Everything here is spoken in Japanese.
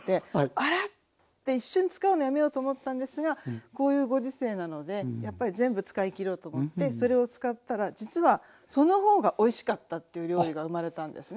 「あら⁉」って一瞬使うのやめようと思ったんですがこういうご時世なのでやっぱり全部使い切ろうと思ってそれを使ったら実はその方がおいしかったという料理が生まれたんですね。